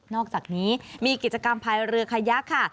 อกจากนี้มีกิจกรรมพายเรือขยักค่ะ